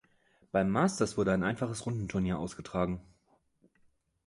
Beim Masters wurden ein einfaches Rundenturnier ausgetragen.